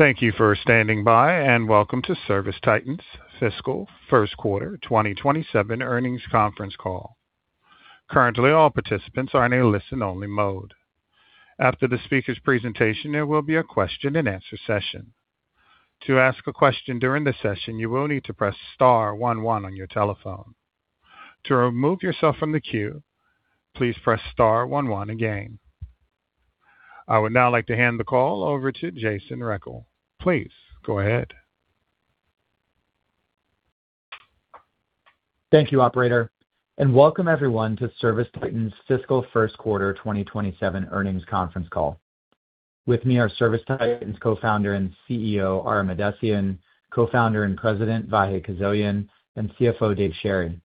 Thank you for standing by, and welcome to ServiceTitan's fiscal first quarter 2027 earnings conference call. Currently, all participants are in a listen-only mode. After the speaker's presentation, there will be a question-and-answer session. To ask a question during the session, you will need to press star one one on your telephone. To remove yourself from the queue, please press star one one again. I would now like to hand the call over to Jason Rechel. Please go ahead. Thank you, operator. Welcome everyone to ServiceTitan's fiscal first quarter 2027 earnings conference call. With me are ServiceTitan's co-founder and CEO, Ara Mahdessian, co-founder and president, Vahe Kuzoyan, and CFO Dave Sherry.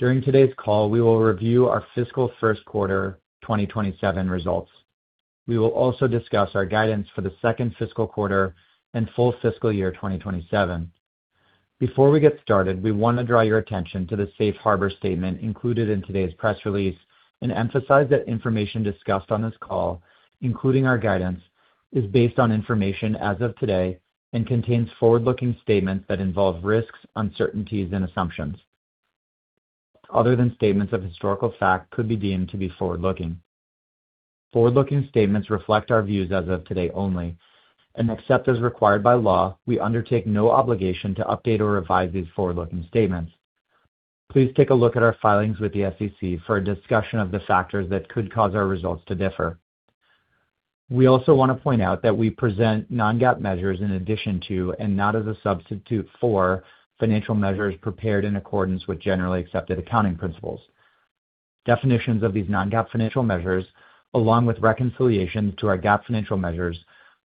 During today's call, we will review our fiscal first quarter 2027 results. We will also discuss our guidance for the second fiscal quarter and full fiscal year 2027. Before we get started, we want to draw your attention to the safe harbor statement included in today's press release and emphasize that information discussed on this call, including our guidance, is based on information as of today and contains forward-looking statements that involve risks, uncertainties, and assumptions. Other than statements of historical fact could be deemed to be forward-looking. Forward-looking statements reflect our views as of today only, and except as required by law, we undertake no obligation to update or revise these forward-looking statements. Please take a look at our filings with the SEC for a discussion of the factors that could cause our results to differ. We also want to point out that we present non-GAAP measures in addition to, and not as a substitute for, financial measures prepared in accordance with generally accepted accounting principles. Definitions of these non-GAAP financial measures, along with reconciliations to our GAAP financial measures,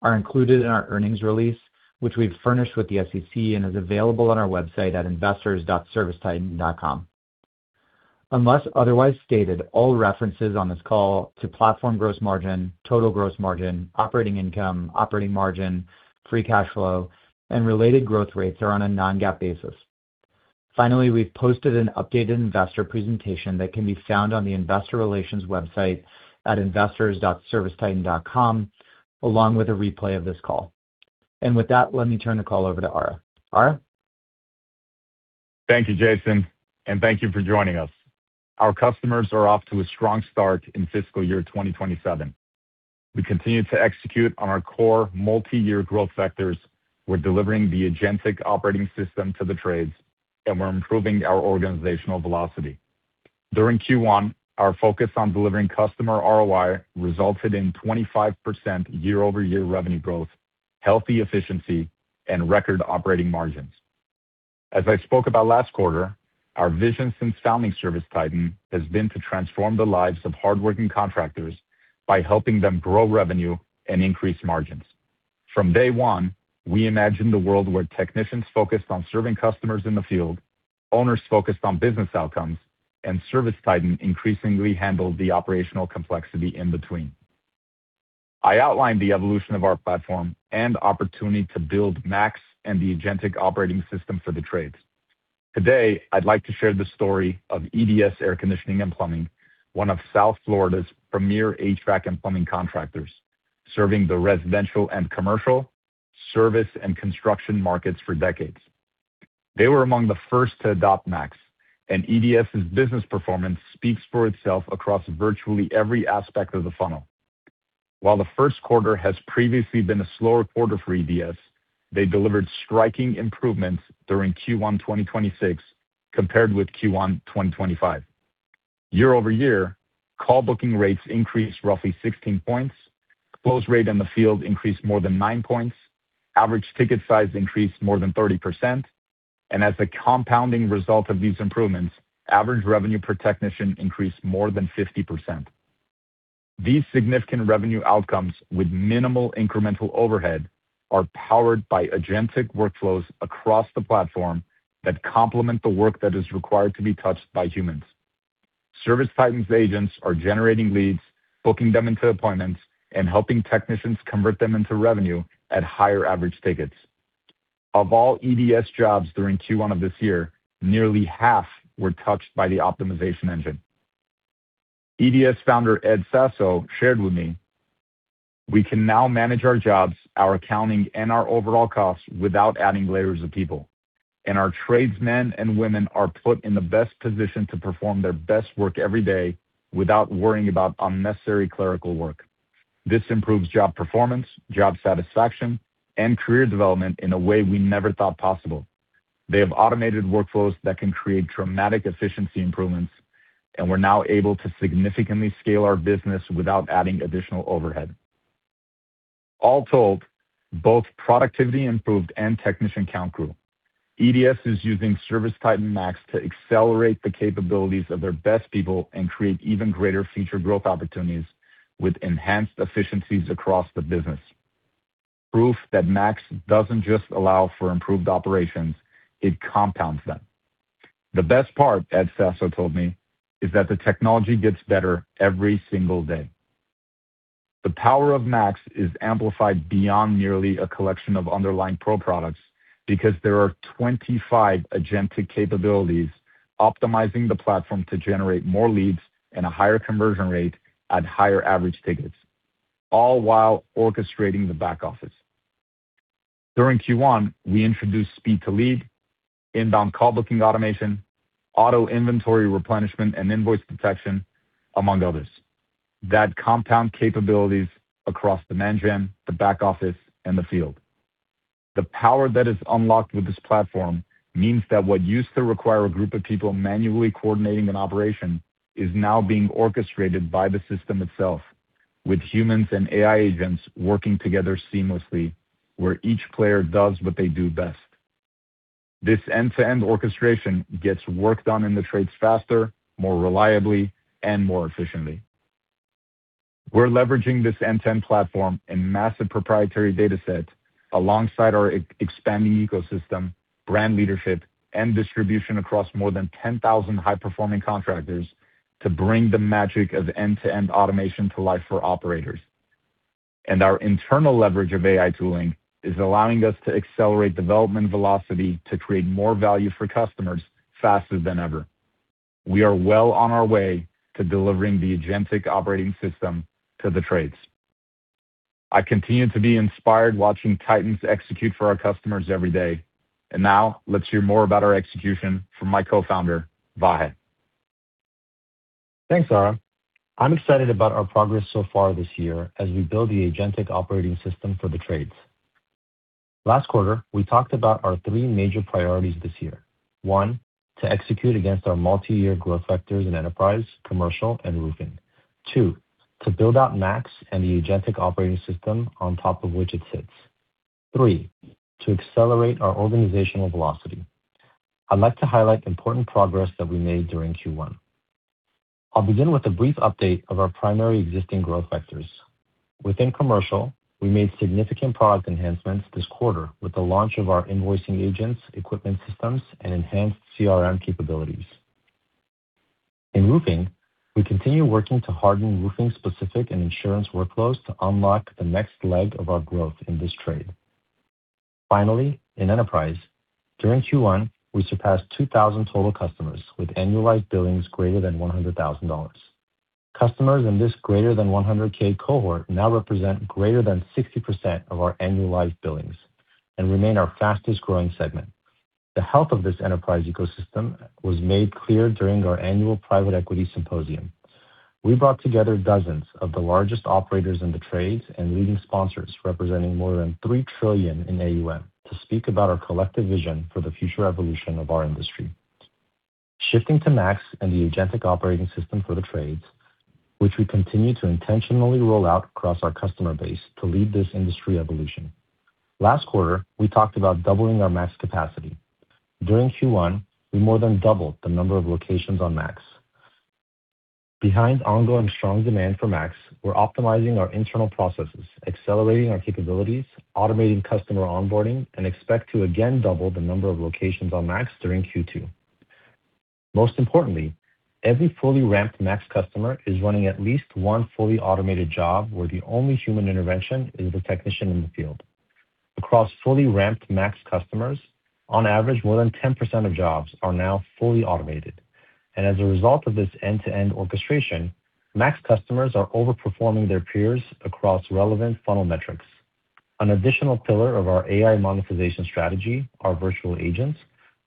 are included in our earnings release, which we've furnished with the SEC and is available on our website at investors.servicetitan.com. Unless otherwise stated, all references on this call to platform gross margin, total gross margin, operating income, operating margin, free cash flow, and related growth rates are on a non-GAAP basis. We've posted an updated investor presentation that can be found on the investor relations website at investors.servicetitan.com, along with a replay of this call. With that, let me turn the call over to Ara. Ara? Thank you, Jason, and thank you for joining us. Our customers are off to a strong start in fiscal year 2027. We continue to execute on our core multi-year growth vectors. We're delivering the agentic operating system to the trades, and we're improving our organizational velocity. During Q1, our focus on delivering customer ROI resulted in 25% year-over-year revenue growth, healthy efficiency, and record operating margins. As I spoke about last quarter, our vision since founding ServiceTitan has been to transform the lives of hardworking contractors by helping them grow revenue and increase margins. From day one, we imagined a world where technicians focused on serving customers in the field, owners focused on business outcomes, and ServiceTitan increasingly handled the operational complexity in between. I outlined the evolution of our platform and opportunity to build Max and the agentic operating system for the trades. Today, I'd like to share the story of E·D·S Air Conditioning & Plumbing, one of South Florida's premier HVAC and plumbing contractors, serving the residential and commercial, service and construction markets for decades. They were among the first to adopt Max, and E·D·S's business performance speaks for itself across virtually every aspect of the funnel. While the first quarter has previously been a slower quarter for E·D·S, they delivered striking improvements during Q1 2026 compared with Q1 2025. Year-over-year, call booking rates increased roughly 16 points, close rate in the field increased more than nine points, average ticket size increased more than 30%, and as a compounding result of these improvements, average revenue per technician increased more than 50%. These significant revenue outcomes with minimal incremental overhead are powered by agentic workflows across the platform that complement the work that is required to be touched by humans. ServiceTitan's agents are generating leads, booking them into appointments, and helping technicians convert them into revenue at higher average tickets. Of all E·D·S jobs during Q1 of this year, nearly half were touched by the optimization engine. E·D·S founder Ed Sasso shared with me, "We can now manage our jobs, our accounting, and our overall costs without adding layers of people. Our tradesmen and women are put in the best position to perform their best work every day without worrying about unnecessary clerical work. This improves job performance, job satisfaction, and career development in a way we never thought possible. They have automated workflows that can create dramatic efficiency improvements, and we're now able to significantly scale our business without adding additional overhead." All told, both productivity improved and technician count grew. E·D·S is using ServiceTitan Max to accelerate the capabilities of their best people and create even greater future growth opportunities with enhanced efficiencies across the business. Proof that Max doesn't just allow for improved operations, it compounds them. "The best part," Ed Sasso told me, "is that the technology gets better every single day." The power of Max is amplified beyond merely a collection of underlying Pro Products because there are 25 agentic capabilities Optimizing the platform to generate more leads and a higher conversion rate at higher average tickets, all while orchestrating the back office. During Q1, we introduced speed to lead, inbound call booking automation, auto inventory replenishment, and invoice detection, among others, that compound capabilities across the [Manjam], the back office, and the field. The power that is unlocked with this platform means that what used to require a group of people manually coordinating an operation is now being orchestrated by the system itself, with humans and AI agents working together seamlessly, where each player does what they do best. This end-to-end orchestration gets work done in the trades faster, more reliably, and more efficiently. We're leveraging this end-to-end platform and massive proprietary data set alongside our expanding ecosystem, brand leadership, and distribution across more than 10,000 high-performing contractors to bring the magic of end-to-end automation to life for operators. Our internal leverage of AI tooling is allowing us to accelerate development velocity to create more value for customers faster than ever. We are well on our way to delivering the agentic operating system to the trades. I continue to be inspired watching Titans execute for our customers every day. Now let's hear more about our execution from my co-founder, Vahe. Thanks, Ara. I'm excited about our progress so far this year as we build the agentic operating system for the trades. Last quarter, we talked about our three major priorities this year. One, to execute against our multi-year growth vectors in enterprise, commercial, and roofing. Two, to build out Max and the agentic operating system on top of which it sits. Three, to accelerate our organizational velocity. I'd like to highlight important progress that we made during Q1. I'll begin with a brief update of our primary existing growth vectors. Within commercial, we made significant product enhancements this quarter with the launch of our invoicing agents, equipment systems, and enhanced CRM capabilities. In roofing, we continue working to harden roofing-specific and insurance workflows to unlock the next leg of our growth in this trade. Finally, in enterprise, during Q1, we surpassed 2,000 total customers with annualized billings greater than $100,000. Customers in this greater than $100,000 cohort now represent greater than 60% of our annualized billings and remain our fastest-growing segment. The health of this enterprise ecosystem was made clear during our annual private equity symposium. We brought together dozens of the largest operators in the trades and leading sponsors representing more than 3 trillion in AUM to speak about our collective vision for the future evolution of our industry. Shifting to Max and the agentic operating system for the trades, which we continue to intentionally roll out across our customer base to lead this industry evolution. Last quarter, we talked about doubling our Max capacity. During Q1, we more than doubled the number of locations on Max. Behind ongoing strong demand for Max, we're optimizing our internal processes, accelerating our capabilities, automating customer onboarding, and expect to again double the number of locations on Max during Q2. Most importantly, every fully ramped Max customer is running at least one fully automated job where the only human intervention is the technician in the field. Across fully ramped Max customers, on average, more than 10% of jobs are now fully automated. As a result of this end-to-end orchestration, Max customers are over-performing their peers across relevant funnel metrics. An additional pillar of our AI monetization strategy, our Virtual Agents,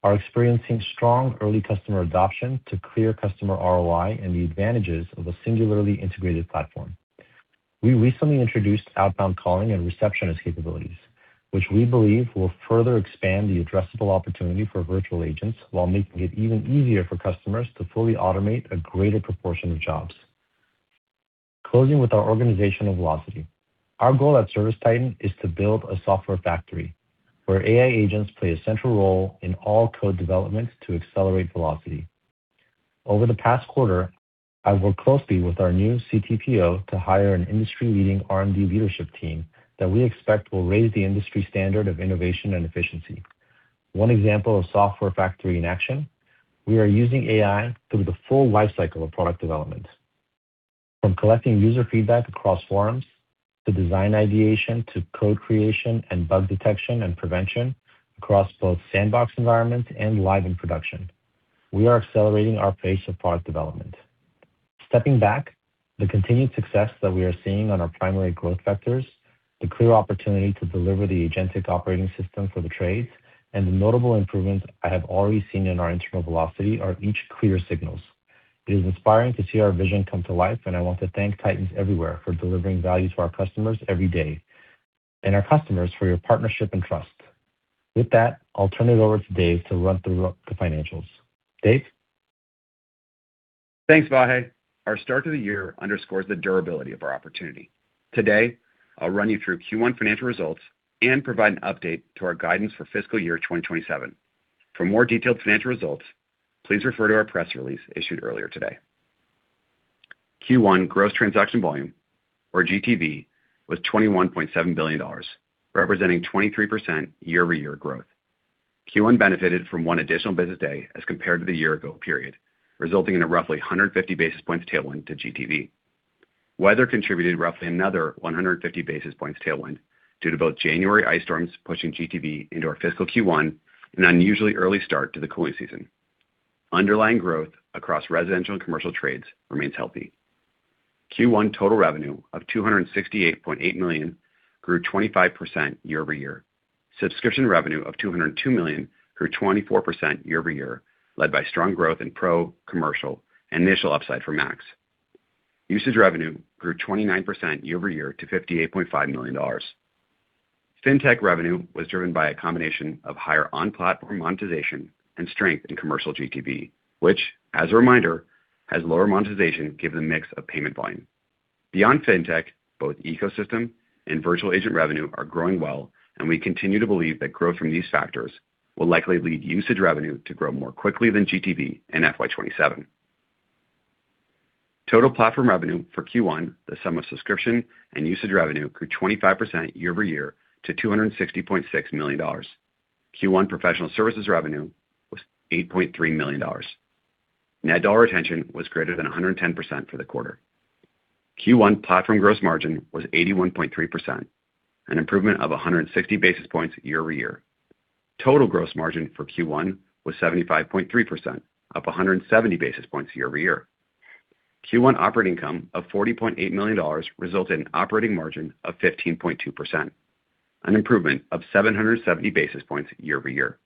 are experiencing strong early customer adoption to clear customer ROI and the advantages of a singularly integrated platform. We recently introduced outbound calling and receptionist capabilities, which we believe will further expand the addressable opportunity for Virtual Agents while making it even easier for customers to fully automate a greater proportion of jobs. Closing with our organizational velocity. Our goal at ServiceTitan is to build a software factory where AI agents play a central role in all code development to accelerate velocity. Over the past quarter, I worked closely with our new CTPO to hire an industry-leading R&D leadership team that we expect will raise the industry standard of innovation and efficiency. One example of software factory in action, we are using AI through the full life cycle of product development, from collecting user feedback across forums, to design ideation, to code creation, and bug detection and prevention across both sandbox environment and live in production. We are accelerating our pace of product development. Stepping back, the continued success that we are seeing on our primary growth vectors, the clear opportunity to deliver the agentic operating system for the trades, and the notable improvements I have already seen in our internal velocity are each clear signals. It is inspiring to see our vision come to life, and I want to thank Titans everywhere for delivering value to our customers every day, and our customers for your partnership and trust. With that, I'll turn it over to Dave to run through the financials. Dave? Thanks, Vahe. Our start to the year underscores the durability of our opportunity. Today, I'll run you through Q1 financial results and provide an update to our guidance for fiscal year 2027. For more detailed financial results, please refer to our press release issued earlier today. Q1 gross transaction volume or GTV was $21.7 billion, representing 23% year-over-year growth. Q1 benefited from one additional business day as compared to the year ago period, resulting in a roughly 150 basis points tailwind to GTV. Weather contributed roughly another 150 basis points tailwind due to both January ice storms pushing GTV into our fiscal Q1 and an unusually early start to the cooling season. Underlying growth across residential and commercial trades remains healthy. Q1 total revenue of $268.8 million grew 25% year over year. Subscription revenue of $202 million grew 24% year over year, led by strong growth in Pro, commercial, and initial upside for Max. Usage revenue grew 29% year over year to $58.5 million. Fintech revenue was driven by a combination of higher on-platform monetization and strength in commercial GTV, which, as a reminder, has lower monetization given the mix of payment volume. Beyond Fintech, both ecosystem and virtual agent revenue are growing well, and we continue to believe that growth from these factors will likely lead usage revenue to grow more quickly than GTV in FY 2027. Total platform revenue for Q1, the sum of subscription and usage revenue, grew 25% year-over-year to $260.6 million. Q1 professional services revenue was $8.3 million. Net dollar retention was greater than 110% for the quarter. Q1 platform gross margin was 81.3%, an improvement of 160 basis points year-over-year. Total gross margin for Q1 was 75.3%, up 170 basis points year-over-year. Q1 operating income of $40.8 million resulted in operating margin of 15.2%, an improvement of 770 basis points year-over-year.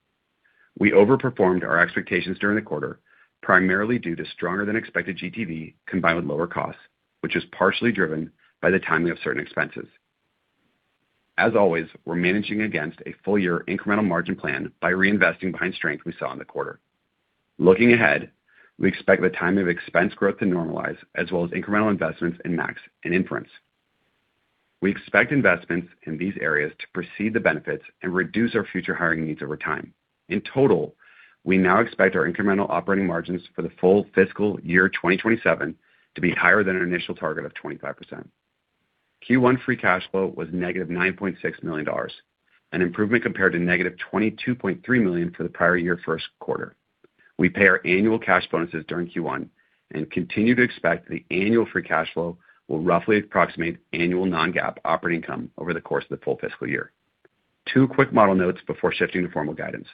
We overperformed our expectations during the quarter, primarily due to stronger than expected GTV combined with lower costs, which was partially driven by the timing of certain expenses. As always, we're managing against a full-year incremental margin plan by reinvesting behind strength we saw in the quarter. Looking ahead, we expect the timing of expense growth to normalize as well as incremental investments in Max and Inference. We expect investments in these areas to precede the benefits and reduce our future hiring needs over time. In total, we now expect our incremental operating margins for the full fiscal year 2027 to be higher than our initial target of 25%. Q1 free cash flow was -$9.6 million, an improvement compared to -$22.3 million for the prior year first quarter. We pay our annual cash bonuses during Q1 and continue to expect the annual free cash flow will roughly approximate annual non-GAAP operating income over the course of the full fiscal year. Two quick model notes before shifting to formal guidance.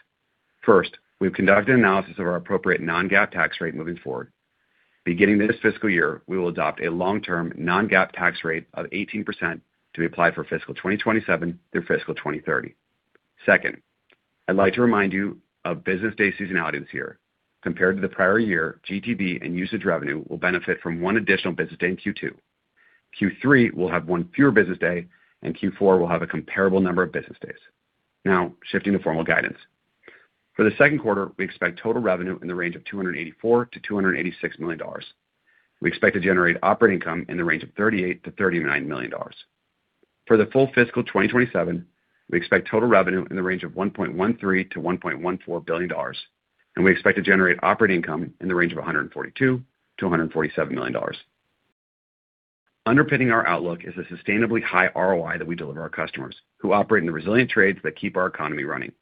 First, we've conducted an analysis of our appropriate non-GAAP tax rate moving forward. Beginning this fiscal year, we will adopt a long-term non-GAAP tax rate of 18% to be applied for fiscal 2027 through fiscal 2030. Second, I'd like to remind you of business day seasonality this year. Compared to the prior year, GTV and usage revenue will benefit from one additional business day in Q2. Q3 will have one fewer business day, and Q4 will have a comparable number of business days. Now, shifting to formal guidance. For the second quarter, we expect total revenue in the range of $284 million-$286 million. We expect to generate operating income in the range of $38 million-$39 million. For the full fiscal 2027, we expect total revenue in the range of $1.13 billion-$1.14 billion, and we expect to generate operating income in the range of $142 million-$147 million. Underpinning our outlook is a sustainably high ROI that we deliver our customers who operate in the resilient trades that keep our economy running.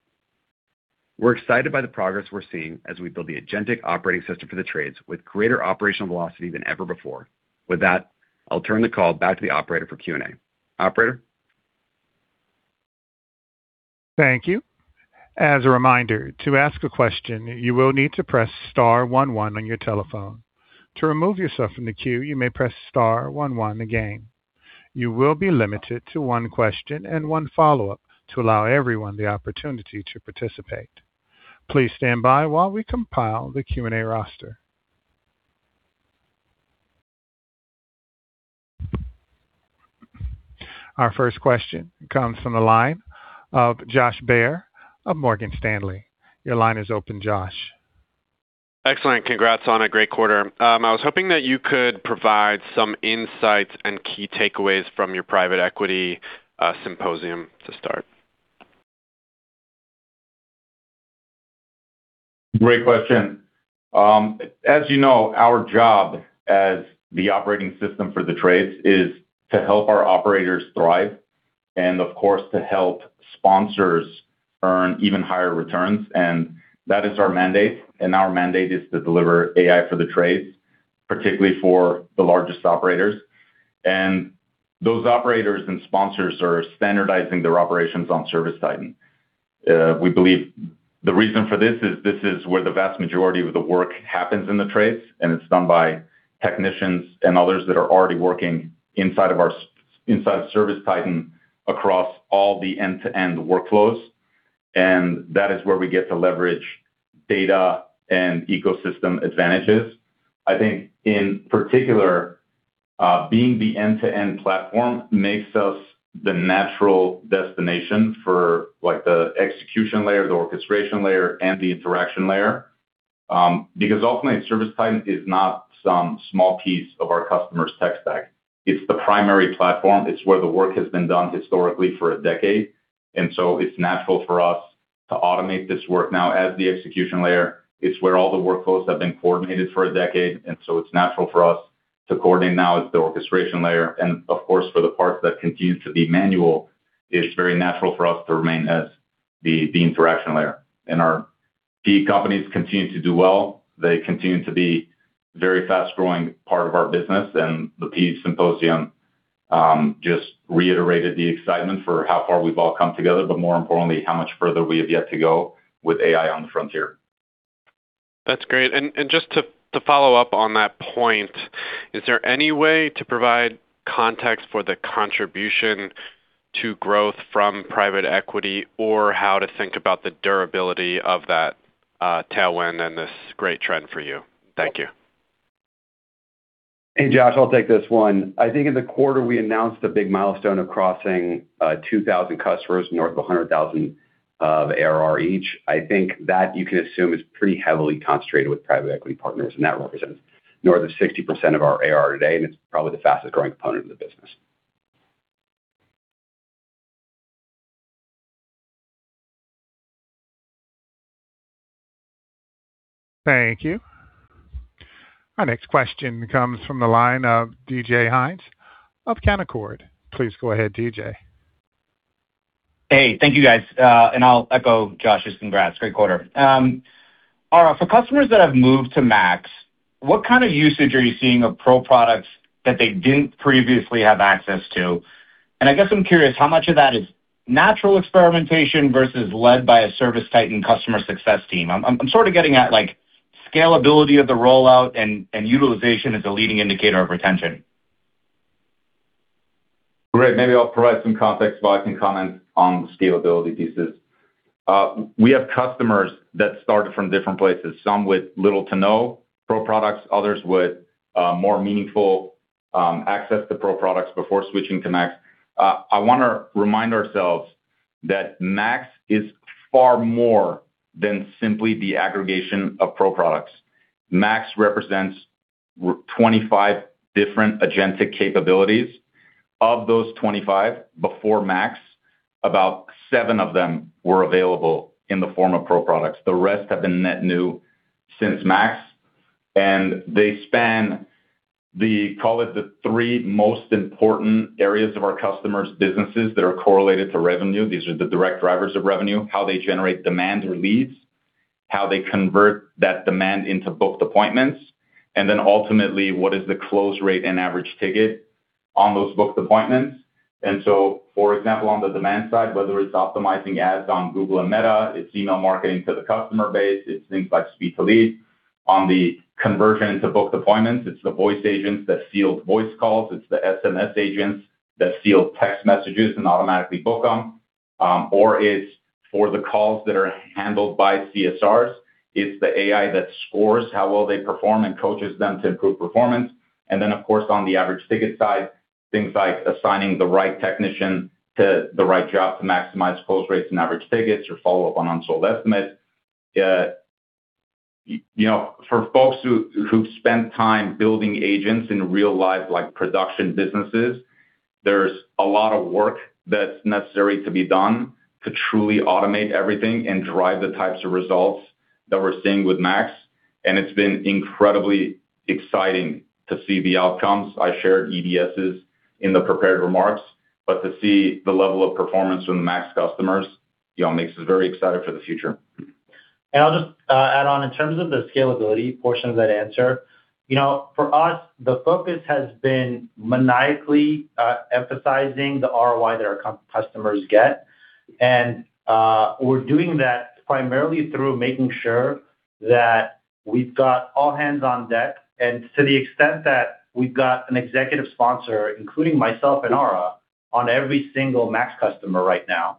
We're excited by the progress we're seeing as we build the agentic operating system for the trades with greater operational velocity than ever before. With that, I'll turn the call back to the operator for Q&A. Operator? Thank you. As a reminder, to ask a question, you will need to press star one one on your telephone. To remove yourself from the queue, you may press star one one again. You will be limited to one question and one follow-up to allow everyone the opportunity to participate. Please stand by while we compile the Q&A roster. Our first question comes from the line of Josh Baer of Morgan Stanley. Your line is open, Josh. Excellent. Congrats on a great quarter. I was hoping that you could provide some insights and key takeaways from your private equity symposium to start. Great question. As you know, our job as the operating system for the trades is to help our operators thrive and, of course, to help sponsors earn even higher returns. That is our mandate, and our mandate is to deliver AI for the trades, particularly for the largest operators. Those operators and sponsors are standardizing their operations on ServiceTitan. We believe the reason for this is where the vast majority of the work happens in the trades, and it's done by technicians and others that are already working inside ServiceTitan across all the end-to-end workflows, and that is where we get to leverage data and ecosystem advantages. I think in particular, being the end-to-end platform makes us the natural destination for the execution layer, the orchestration layer, and the interaction layer. Ultimately, ServiceTitan is not some small piece of our customers' tech stack. It's the primary platform. It's where the work has been done historically for a decade, it's natural for us to automate this work now as the execution layer. It's where all the workflows have been coordinated for a decade, it's natural for us to coordinate now as the orchestration layer. Of course, for the parts that continue to be manual, it's very natural for us to remain as the interaction layer. Our PE companies continue to do well. They continue to be very fast-growing part of our business. The PE symposium just reiterated the excitement for how far we've all come together, but more importantly, how much further we have yet to go with AI on the frontier. That's great. Just to follow up on that point, is there any way to provide context for the contribution to growth from private equity? How to think about the durability of that tailwind and this great trend for you? Thank you. Hey, Josh, I'll take this one. I think in the quarter we announced a big milestone of crossing 2,000 customers north of $100,000 of ARR each. I think that you can assume is pretty heavily concentrated with private equity partners, and that represents north of 60% of our ARR today, and it's probably the fastest-growing component of the business. Thank you. Our next question comes from the line of DJ Hynes of Canaccord. Please go ahead, DJ. Hey, thank you, guys. I'll echo Josh's congrats. Great quarter. Ara, for customers that have moved to Max, what kind of usage are you seeing of Pro Products that they didn't previously have access to? I guess I'm curious how much of that is natural experimentation versus led by a ServiceTitan customer success team. I'm sort of getting at scalability of the rollout and utilization as a leading indicator of retention. Great. Maybe I'll provide some context while I can comment on the scalability pieces. We have customers that started from different places, some with little to no Pro products, others with more meaningful access to Pro products before switching to Max. I want to remind ourselves that Max is far more than simply the aggregation of Pro products. Max represents 25 different agentic capabilities. Of those 25, before Max, about seven of them were available in the form of Pro products. The rest have been net new since Max, and they span the, call it, the three most important areas of our customers' businesses that are correlated to revenue. These are the direct drivers of revenue, how they generate demand or leads, how they convert that demand into booked appointments, and then ultimately, what is the close rate and average ticket on those booked appointments. For example, on the demand side, whether it's optimizing ads on Google and Meta, it's email marketing to the customer base, it's things like speed to lead. On the conversion to booked appointments, it's the voice agents that field voice calls, it's the SMS agents that field text messages and automatically book them. It's for the calls that are handled by CSRs, it's the AI that scores how well they perform and coaches them to improve performance. Then, of course, on the average ticket side, things like assigning the right technician to the right job to maximize close rates and average tickets or follow up on unsold estimates. For folks who've spent time building agents in real life, like production businesses, there's a lot of work that's necessary to be done to truly automate everything and drive the types of results that we're seeing with Max. It's been incredibly exciting to see the outcomes. I shared E.D.S.'s in the prepared remarks, to see the level of performance from the Max customers makes us very excited for the future. I'll just add on, in terms of the scalability portion of that answer. For us, the focus has been maniacally emphasizing the ROI that our customers get, and we're doing that primarily through making sure that we've got all hands on deck, and to the extent that we've got an executive sponsor, including myself and Ara, on every single Max customer right now.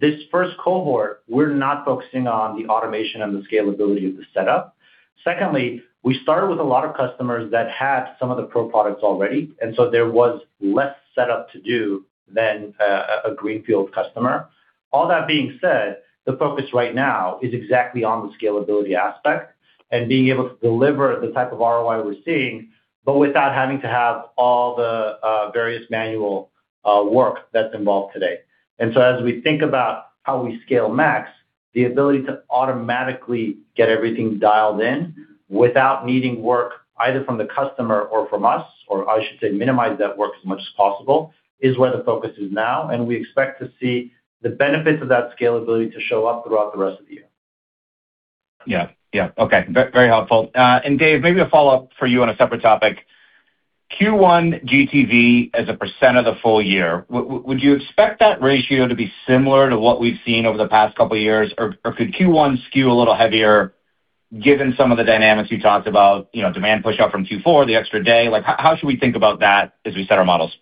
This first cohort, we're not focusing on the automation and the scalability of the setup. Secondly, we started with a lot of customers that had some of the Pro Products already, there was less setup to do than a greenfield customer. All that being said, the focus right now is exactly on the scalability aspect and being able to deliver the type of ROI we're seeing, but without having to have all the various manual work that's involved today. As we think about how we scale Max, the ability to automatically get everything dialed in without needing work either from the customer or from us, or I should say minimize that work as much as possible, is where the focus is now. We expect to see the benefits of that scalability to show up throughout the rest of the year. Okay. Very helpful. Dave, maybe a follow-up for you on a separate topic. Q1 GTV as a percent of the full year. Would you expect that ratio to be similar to what we've seen over the past couple of years? Or could Q1 skew a little heavier given some of the dynamics you talked about, demand pushout from Q4, the extra day? How should we think about that as we set our models?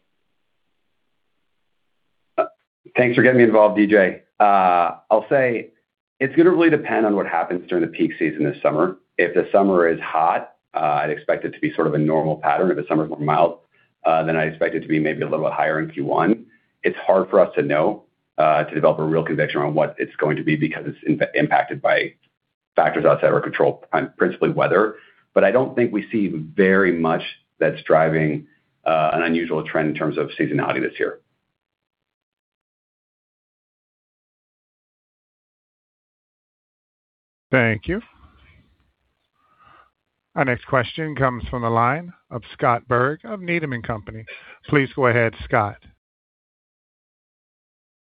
Thanks for getting me involved, DJ. I'll say it's going to really depend on what happens during the peak season this summer. If the summer is hot, I'd expect it to be sort of a normal pattern. If the summer's more mild, then I'd expect it to be maybe a little bit higher in Q1. It's hard for us to know to develop a real conviction around what it's going to be because it's impacted by factors outside of our control, principally weather. I don't think we see very much that's driving an unusual trend in terms of seasonality this year. Thank you. Our next question comes from the line of Scott Berg of Needham & Company. Please go ahead, Scott.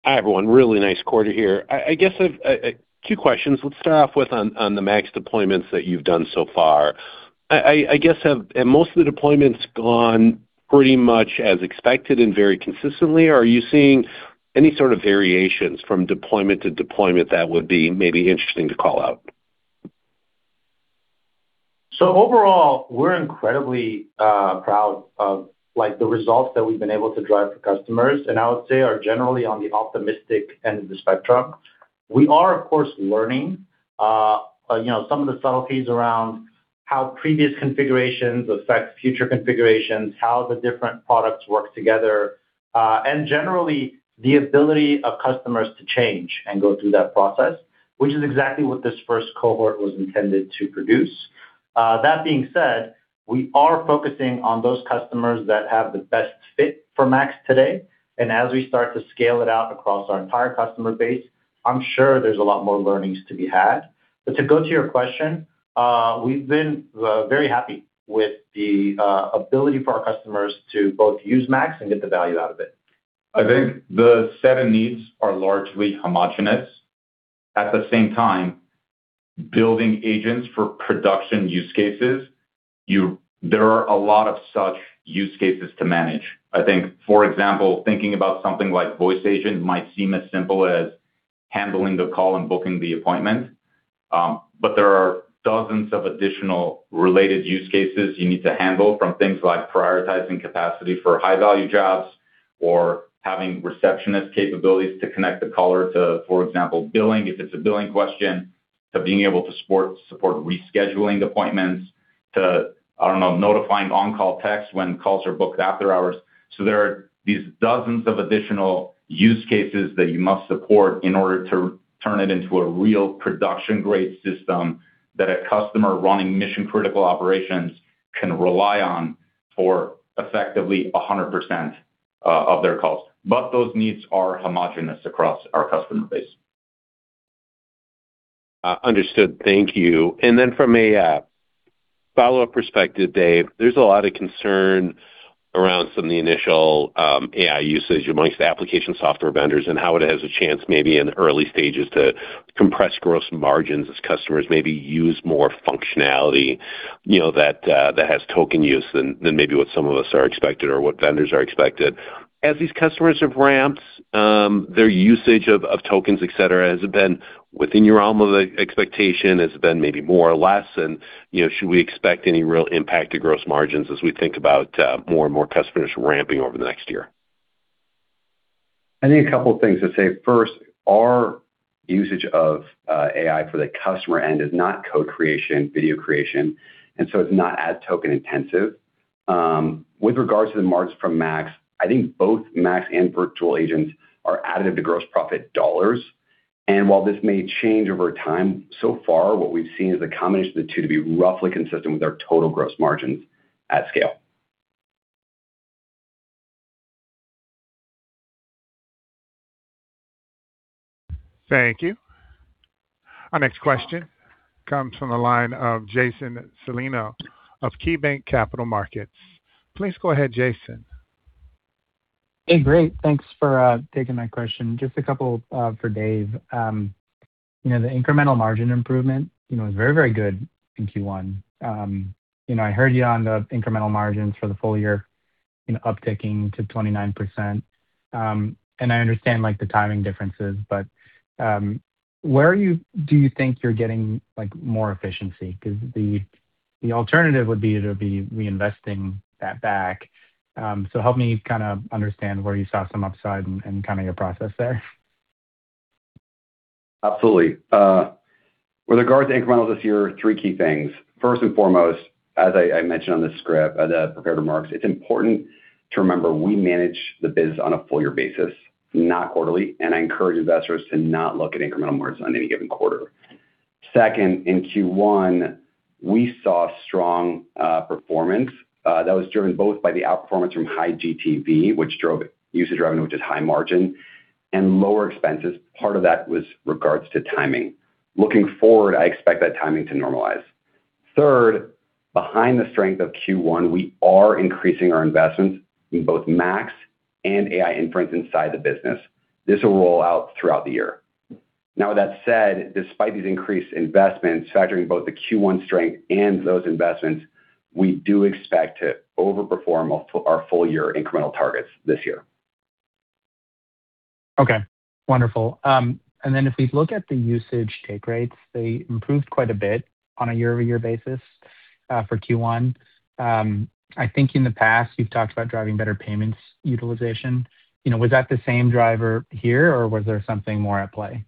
Hi, everyone. Really nice quarter here. I guess I've two questions. Let's start off with on the Max deployments that you've done so far. I guess, have most of the deployments gone pretty much as expected and very consistently? Are you seeing any sort of variations from deployment to deployment that would be maybe interesting to call out? Overall, we're incredibly proud of the results that we've been able to drive for customers, and I would say are generally on the optimistic end of the spectrum. We are, of course, learning some of the subtleties around how previous configurations affect future configurations, how the different products work together, and generally the ability of customers to change and go through that process, which is exactly what this first cohort was intended to produce. That being said, we are focusing on those customers that have the best fit for Max today. As we start to scale it out across our entire customer base, I'm sure there's a lot more learnings to be had. To go to your question, we've been very happy with the ability for our customers to both use Max and get the value out of it. I think the seven needs are largely homogenous. At the same time, building agents for production use cases, there are a lot of such use cases to manage. I think, for example, thinking about something like voice agent might seem as simple as handling the call and booking the appointment. There are dozens of additional related use cases you need to handle from things like prioritizing capacity for high-value jobs or having receptionist capabilities to connect the caller to, for example, billing if it's a billing question, to being able to support rescheduling appointments to, I don't know, notifying on-call texts when calls are booked after hours. There are these dozens of additional use cases that you must support in order to turn it into a real production-grade system that a customer running mission-critical operations can rely on for effectively 100% of their calls. Those needs are homogenous across our customer base. Understood. Thank you. Then from a follow-up perspective, Dave, there's a lot of concern around some of the initial AI usage amongst the application software vendors and how it has a chance maybe in the early stages to compress gross margins as customers maybe use more functionality that has token use than maybe what some of us are expected or what vendors are expected. As these customers have ramped their usage of tokens, et cetera, has it been within your realm of expectation? Has it been maybe more or less? Should we expect any real impact to gross margins as we think about more and more customers ramping over the next year? I think a couple things to say. First, our usage of AI for the customer end is not code creation, video creation, it's not as token intensive. With regards to the margins from Max, I think both Max and Virtual Agents are additive to gross profit dollars. While this may change over time, so far, what we've seen is a combination of the two to be roughly consistent with our total gross margins at scale. Thank you. Our next question comes from the line of Jason Celino of KeyBanc Capital Markets. Please go ahead, Jason. Hey, great. Thanks for taking my question. Just a couple for Dave. The incremental margin improvement was very good in Q1. I heard you on the incremental margins for the full year upticking to 29%, and I understand the timing differences, but where do you think you're getting more efficiency? The alternative would be to be reinvesting that back. Help me kind of understand where you saw some upside and kind of your process there. Absolutely. With regards to incrementals this year, three key things. First and foremost, as I mentioned on the script, the prepared remarks, it's important to remember we manage the biz on a full year basis, not quarterly, and I encourage investors to not look at incremental margins on any given quarter. Second, in Q1, we saw strong performance that was driven both by the outperformance from high GTV, which drove usage revenue, which is high margin and lower expenses. Part of that was regards to timing. Looking forward, I expect that timing to normalize. Third, behind the strength of Q1, we are increasing our investments in both Max and AI inference inside the business. This will roll out throughout the year. With that said, despite these increased investments, factoring both the Q1 strength and those investments, we do expect to overperform our full year incremental targets this year. Okay. Wonderful. If we look at the usage take rates, they improved quite a bit on a year-over-year basis for Q1. I think in the past you've talked about driving better payments utilization. Was that the same driver here or was there something more at play?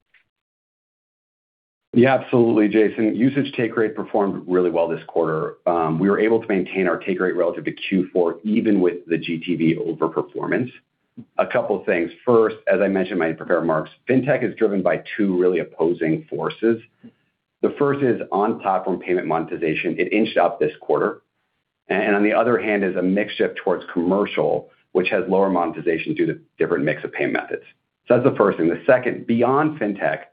Yeah, absolutely, Jason. Usage take rate performed really well this quarter. We were able to maintain our take rate relative to Q4 even with the GTV overperformance. A couple of things. First, as I mentioned in my prepared remarks, Fintech is driven by two really opposing forces. The first is on-platform payment monetization. It inched up this quarter. On the other hand is a mix shift towards commercial, which has lower monetization due to different mix of pay methods. That's the first thing. The second, beyond Fintech,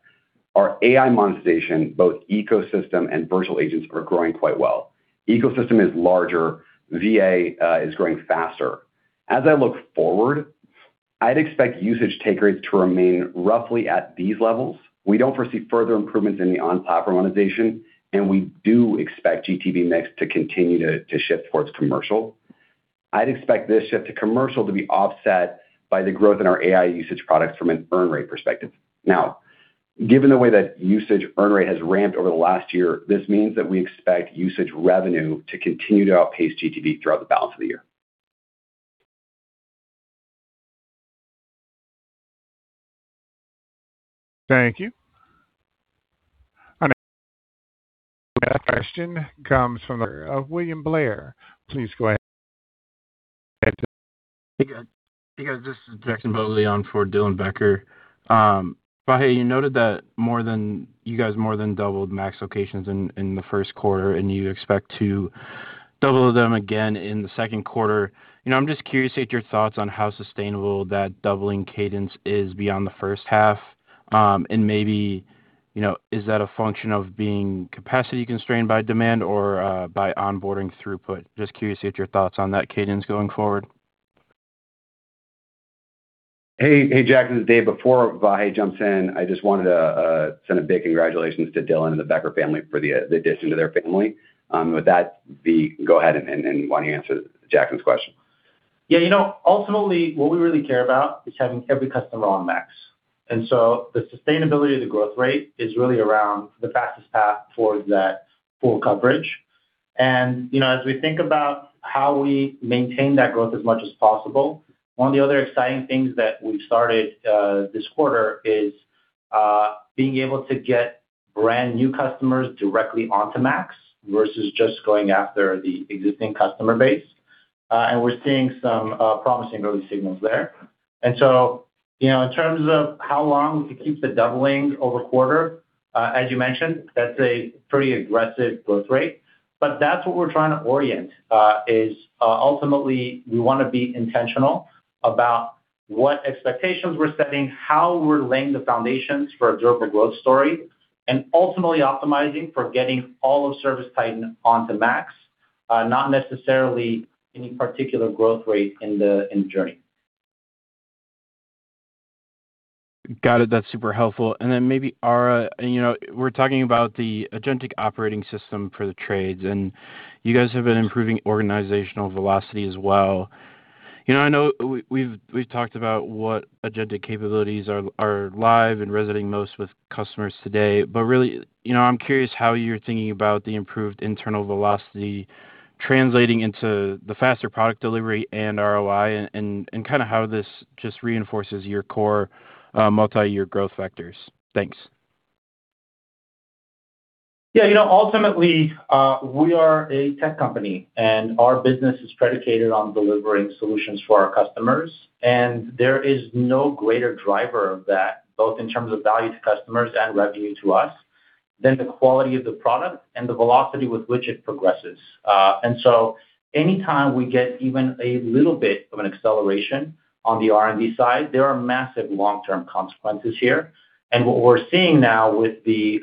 our AI monetization, both ecosystem and virtual agents are growing quite well. Ecosystem is larger. VA is growing faster. As I look forward, I'd expect usage take rates to remain roughly at these levels. We don't foresee further improvements in the on-platform monetization, and we do expect GTV mix to continue to shift towards commercial. I'd expect this shift to commercial to be offset by the growth in our AI usage products from an earn rate perspective. Given the way that usage earn rate has ramped over the last year, this means that we expect usage revenue to continue to outpace GTV throughout the balance of the year. Thank you. Our next question comes from the line of William Blair. Please go ahead. Hey, guys. This is Jackson Bogli on for Dylan Becker. Vahe, you noted that you guys more than doubled Max locations in the first quarter, and you expect to double them again in the second quarter. I'm just curious to get your thoughts on how sustainable that doubling cadence is beyond the first half. Maybe, is that a function of being capacity constrained by demand or by onboarding throughput? Just curious to get your thoughts on that cadence going forward. Hey, Jack, this is Dave. Before Vahe jumps in, I just wanted to send a big congratulations to Dylan and the Becker family for the addition to their family. With that, V, go ahead and why don't you answer Jackson's question? Ultimately, what we really care about is having every customer on Max. The sustainability of the growth rate is really around the fastest path towards that full coverage. As we think about how we maintain that growth as much as possible, one of the other exciting things that we've started this quarter is being able to get brand new customers directly onto Max versus just going after the existing customer base. We're seeing some promising early signals there. In terms of how long we could keep the doubling over quarter, as you mentioned, that's a pretty aggressive growth rate. That's what we're trying to orient, is ultimately we want to be intentional about what expectations we're setting, how we're laying the foundations for a durable growth story, and ultimately optimizing for getting all of ServiceTitan onto Max, not necessarily any particular growth rate in the journey. Got it. That's super helpful. Maybe, Ara, we're talking about the agentic operating system for the trades, and you guys have been improving organizational velocity as well. I know we've talked about what agentic capabilities are live and resonating most with customers today. Really, I'm curious how you're thinking about the improved internal velocity translating into the faster product delivery and ROI and how this just reinforces your core multi-year growth vectors. Thanks. Ultimately, we are a tech company, our business is predicated on delivering solutions for our customers. There is no greater driver of that, both in terms of value to customers and revenue to us, than the quality of the product and the velocity with which it progresses. Any time we get even a little bit of an acceleration on the R&D side, there are massive long-term consequences here. What we're seeing now with the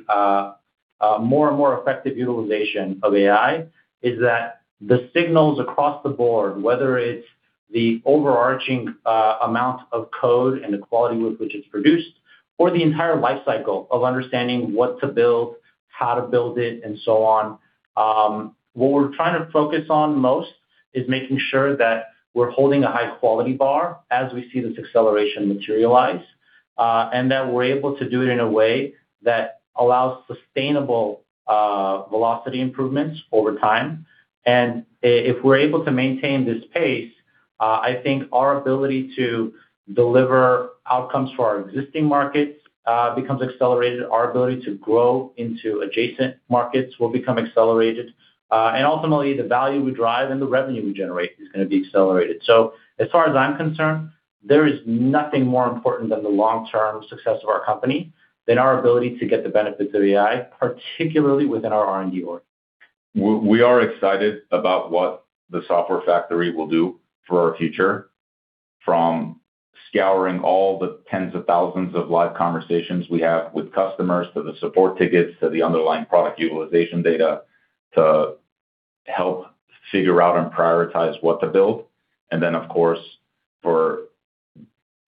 more and more effective utilization of AI is that the signals across the board, whether it's the overarching amount of code and the quality with which it's produced or the entire life cycle of understanding what to build, how to build it, and so on, what we're trying to focus on most is making sure that we're holding a high quality bar as we see this acceleration materialize, and that we're able to do it in a way that allows sustainable velocity improvements over time. If we're able to maintain this pace, I think our ability to deliver outcomes for our existing markets becomes accelerated, our ability to grow into adjacent markets will become accelerated, and ultimately the value we drive and the revenue we generate is going to be accelerated. As far as I'm concerned, there is nothing more important than the long-term success of our company than our ability to get the benefits of AI, particularly within our R&D org. We are excited about what the software factory will do for our future, from scouring all the tens of thousands of live conversations we have with customers to the support tickets to the underlying product utilization data to help figure out and prioritize what to build. Then, of course, for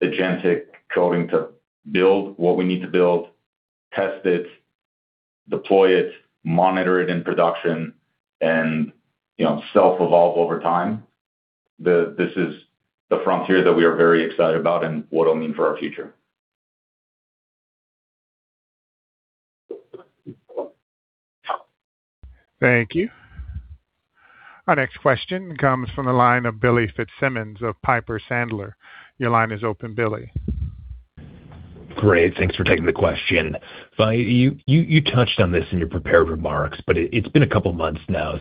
agentic coding to build what we need to build, test it, deploy it, monitor it in production, and self-evolve over time. This is the frontier that we are very excited about and what it'll mean for our future. Thank you. Our next question comes from the line of Billy Fitzsimmons of Piper Sandler. Your line is open, Billy. Great. Thanks for taking the question. Vahe, you touched on this in your prepared remarks, but it's been a couple of months now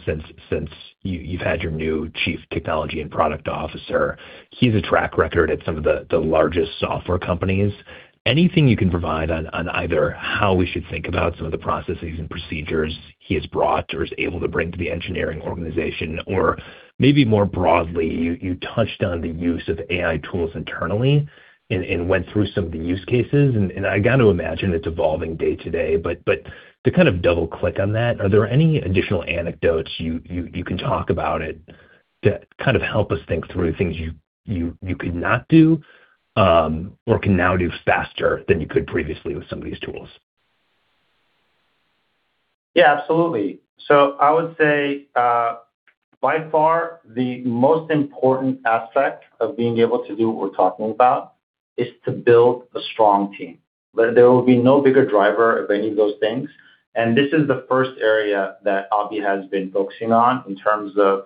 since you've had your new Chief Technology and Product Officer. He has a track record at some of the largest software companies. Anything you can provide on either how we should think about some of the processes and procedures he has brought or is able to bring to the engineering organization? Maybe more broadly, you touched on the use of AI tools internally and went through some of the use cases, and I got to imagine it's evolving day to day, but to kind of double-click on that, are there any additional anecdotes you can talk about that kind of help us think through things you could not do, or can now do faster than you could previously with some of these tools? Yeah, absolutely. I would say, by far, the most important aspect of being able to do what we're talking about is to build a strong team. There will be no bigger driver of any of those things, and this is the first area that Abhi has been focusing on in terms of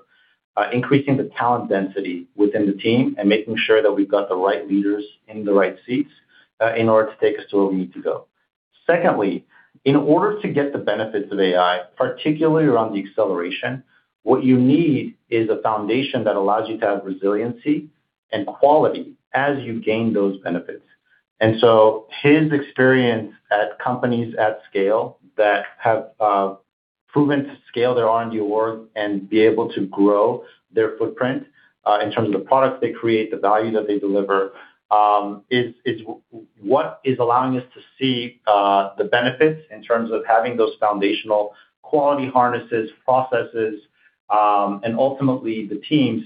increasing the talent density within the team and making sure that we've got the right leaders in the right seats in order to take us to where we need to go. Secondly, in order to get the benefits of AI, particularly around the acceleration, what you need is a foundation that allows you to have resiliency and quality as you gain those benefits. His experience at companies at scale that have proven to scale their R&D org and be able to grow their footprint, in terms of the products they create, the value that they deliver, is what is allowing us to see the benefits in terms of having those foundational quality harnesses, processes, and ultimately the teams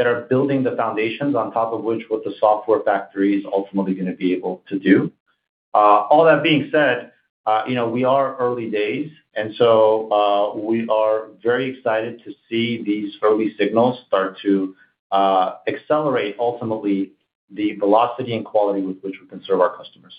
that are building the foundations on top of which what the software factory is ultimately going to be able to do. All that being said, we are early days and so we are very excited to see these early signals start to accelerate ultimately the velocity and quality with which we can serve our customers.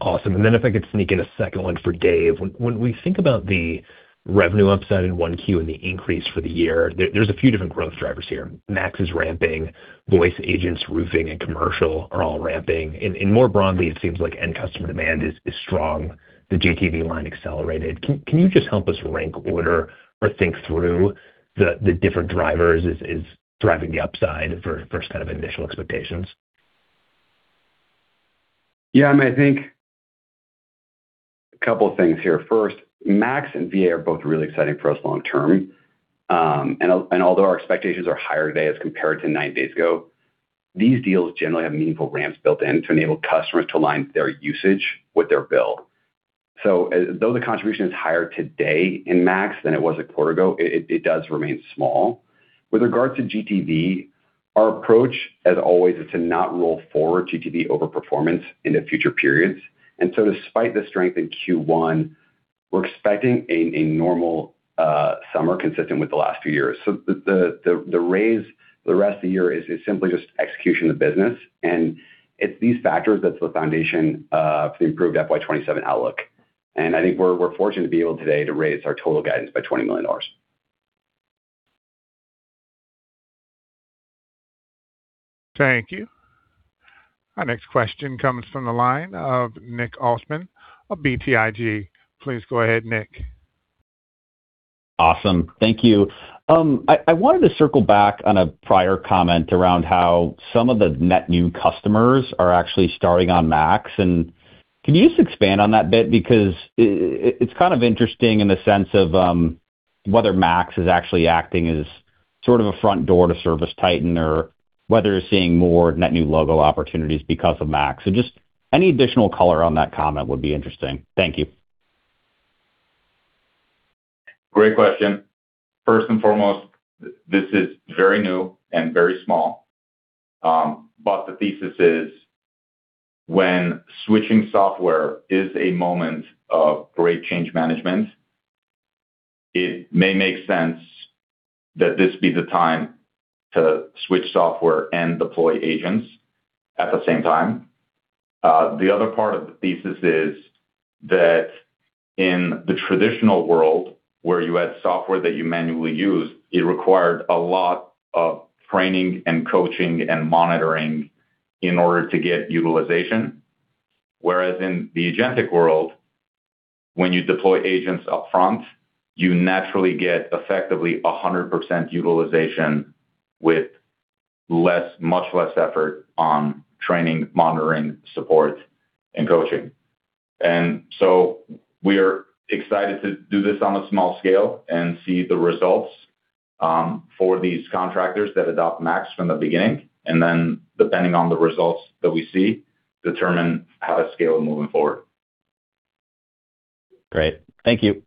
Awesome. If I could sneak in a second one for Dave. When we think about the revenue upside in 1Q and the increase for the year, there's a few different growth drivers here. Max is ramping, Voice Agents, Roofing and Commercial are all ramping, and more broadly, it seems like end customer demand is strong. The GTV line accelerated. Can you just help us rank order or think through the different drivers is driving the upside for kind of initial expectations? I think a couple of things here. First, Max and VA are both really exciting for us long term. Although our expectations are higher today as compared to 90 days ago, these deals generally have meaningful ramps built in to enable customers to align their usage with their bill. Though the contribution is higher today in Max than it was a quarter ago, it does remain small. With regards to GTV, our approach, as always, is to not roll forward GTV over performance into future periods. Despite the strength in Q1, we're expecting a normal summer consistent with the last few years. The raise for the rest of the year is simply just execution of the business, and it's these factors that's the foundation for the improved FY 2027 outlook. I think we're fortunate to be able today to raise our total guidance by $20 million. Thank you. Our next question comes from the line of Nick Altmann of BTIG. Please go ahead, Nick. Awesome. Thank you. I wanted to circle back on a prior comment around how some of the net new customers are actually starting on Max, and can you just expand on that a bit? It's kind of interesting in the sense of whether Max is actually acting as sort of a front door to ServiceTitan or whether you're seeing more net new logo opportunities because of Max. Just any additional color on that comment would be interesting. Thank you. Great question. First and foremost, this is very new and very small. The thesis is when switching software is a moment of great change management, it may make sense that this be the time to switch software and deploy agents at the same time. The other part of the thesis is that in the traditional world where you had software that you manually use, it required a lot of training and coaching and monitoring in order to get utilization. Whereas in the agentic world, when you deploy agents upfront, you naturally get effectively 100% utilization with much less effort on training, monitoring, support, and coaching. We're excited to do this on a small scale and see the results for these contractors that adopt Max from the beginning, depending on the results that we see, determine how to scale moving forward. Great. Thank you.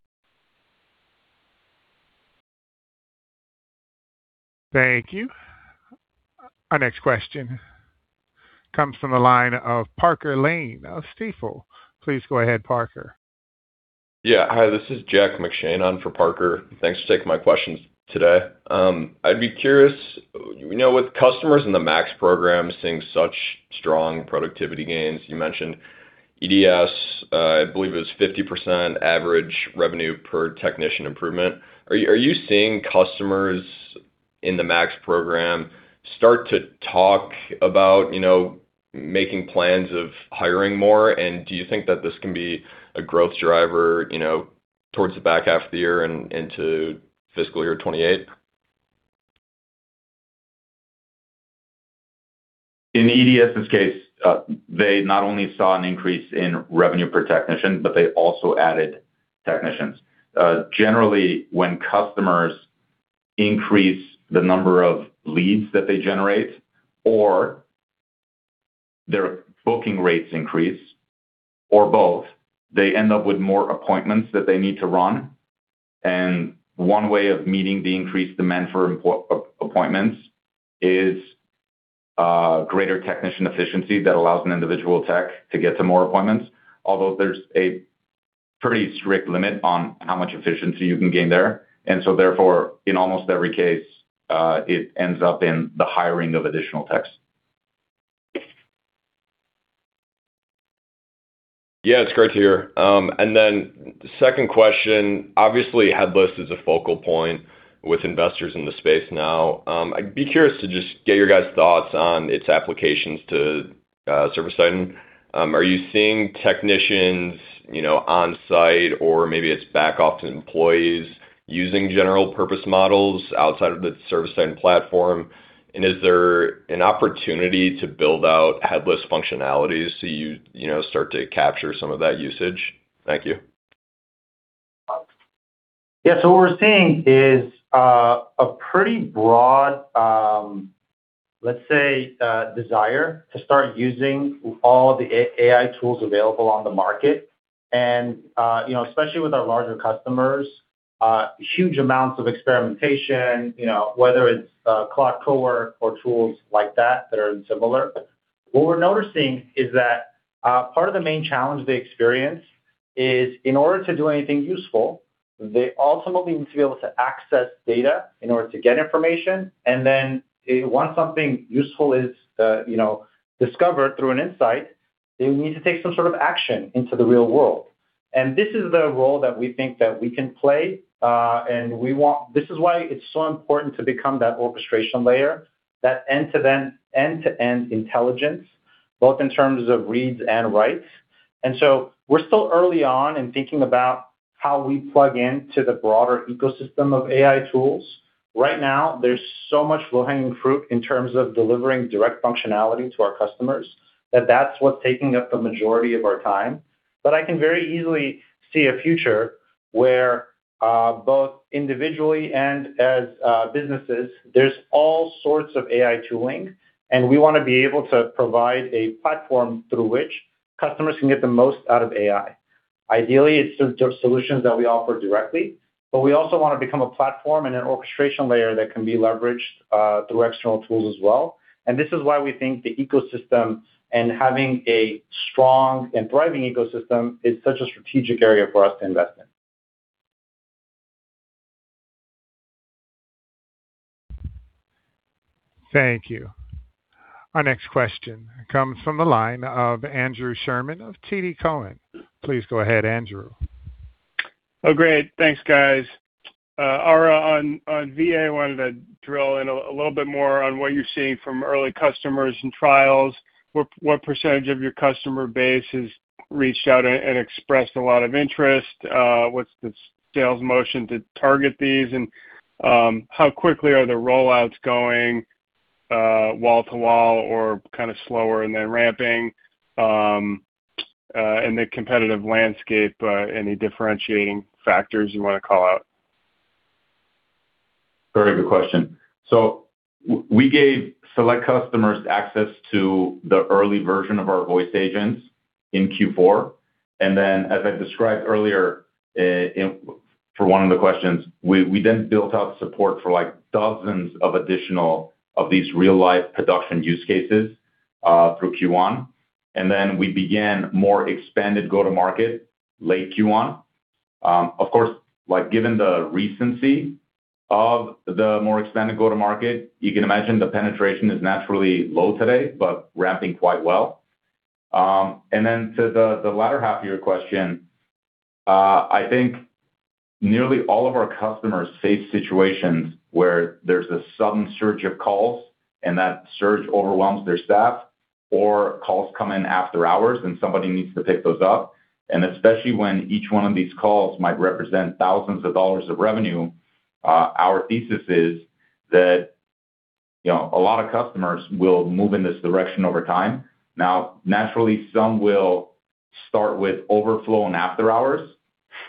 Thank you. Our next question comes from the line of Parker Lane of Stifel. Please go ahead, Parker. Yeah. Hi, this is Jack McShane on for Parker. Thanks for taking my questions today. I'd be curious, with customers in the Max Program seeing such strong productivity gains, you mentioned. E·D·S, I believe it was 50% average revenue per technician improvement. Are you seeing customers in the Max Program start to talk about making plans of hiring more? Do you think that this can be a growth driver towards the back half of the year and into fiscal year 2028? In E·D·S' case, they not only saw an increase in revenue per technician, but they also added technicians. Generally, when customers increase the number of leads that they generate or their booking rates increase or both, they end up with more appointments that they need to run. One way of meeting the increased demand for appointments is greater technician efficiency that allows an individual tech to get to more appointments, although there's a pretty strict limit on how much efficiency you can gain there. Therefore, in almost every case, it ends up in the hiring of additional techs. Yeah, it's great to hear. Second question, obviously, headless is a focal point with investors in the space now. I'd be curious to just get your guys' thoughts on its applications to ServiceTitan. Are you seeing technicians on-site, or maybe it's back office employees using general purpose models outside of the ServiceTitan platform? Is there an opportunity to build out headless functionalities so you start to capture some of that usage? Thank you. What we're seeing is a pretty broad, let's say, desire to start using all the AI tools available on the market and especially with our larger customers, huge amounts of experimentation, whether it's [Clockora] or tools like that that are similar. What we're noticing is that part of the main challenge they experience is in order to do anything useful, they ultimately need to be able to access data in order to get information. Once something useful is discovered through an insight, they need to take some sort of action into the real world. This is the role that we think that we can play, and this is why it's so important to become that orchestration layer, that end-to-end intelligence, both in terms of reads and writes. We're still early on in thinking about how we plug into the broader ecosystem of AI tools. Right now, there's so much low-hanging fruit in terms of delivering direct functionality to our customers that that's what's taking up the majority of our time. I can very easily see a future where both individually and as businesses, there's all sorts of AI tooling, and we want to be able to provide a platform through which customers can get the most out of AI. Ideally, it's through solutions that we offer directly, but we also want to become a platform and an orchestration layer that can be leveraged through external tools as well. This is why we think the ecosystem and having a strong and thriving ecosystem is such a strategic area for us to invest in. Thank you. Our next question comes from the line of Andrew Sherman of TD Cowen. Please go ahead, Andrew. Oh, great. Thanks, guys. Ara, on VA, I wanted to drill in a little bit more on what you're seeing from early customers and trials. What percentage of your customer base has reached out and expressed a lot of interest? What's the sales motion to target these, and how quickly are the rollouts going wall to wall or kind of slower and then ramping? In the competitive landscape, any differentiating factors you want to call out? Very good question. We gave select customers access to the early version of our voice agents in Q4. As I described earlier for one of the questions, we then built out support for dozens of additional of these real-life production use cases through Q1. We began more expanded go-to-market late Q1. Of course, given the recency of the more expanded go-to-market, you can imagine the penetration is naturally low today, but ramping quite well. To the latter half of your question, I think nearly all of our customers face situations where there's a sudden surge of calls and that surge overwhelms their staff, or calls come in after hours and somebody needs to pick those up. Especially when each one of these calls might represent thousands of dollars of revenue, our thesis is that a lot of customers will move in this direction over time. Naturally, some will start with overflow and after hours,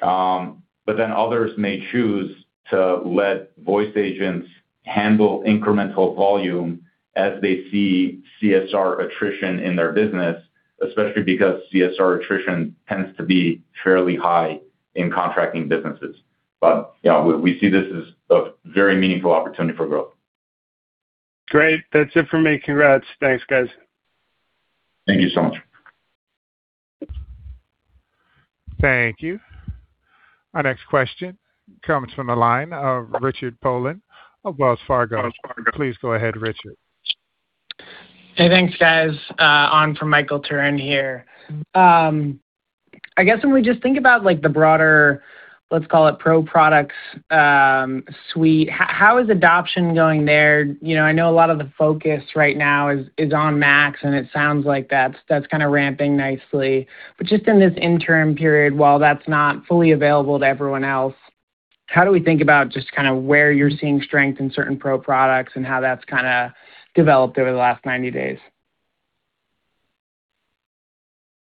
others may choose to let voice agents handle incremental volume as they see CSR attrition in their business, especially because CSR attrition tends to be fairly high in contracting businesses. We see this as a very meaningful opportunity for growth. Great. That's it for me. Congrats. Thanks, guys. Thank you so much. Thank you. Our next question comes from the line of Richard Poland of Wells Fargo. Please go ahead, Richard. Hey, thanks, guys. On for Michael Turrin here. I guess when we just think about the broader, let's call it Pro Products suite, how is adoption going there? I know a lot of the focus right now is on Max, and it sounds like that's kind of ramping nicely. But just in this interim period, while that's not fully available to everyone else, how do we think about just kind of where you're seeing strength in certain Pro Products and how that's kind of developed over the last 90 days?